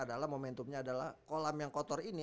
adalah momentumnya adalah kolam yang kotor ini